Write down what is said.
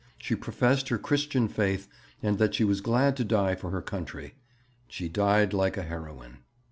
She professed her Christian faith, and that she was glad to die for her country.' 'She died like a heroine.'